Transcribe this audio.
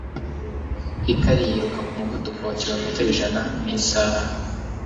Hikari yiruka ku muvuduko wa kilometero ijana mu isaha.